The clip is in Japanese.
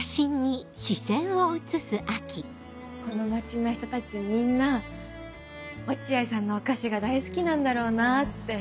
この町の人たちみんな落合さんのお菓子が大好きなんだろうなって。